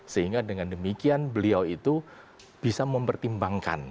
sehingga dengan demikian beliau itu bisa mempertimbangkan